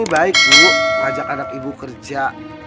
baik bu ajak anak ibu kerja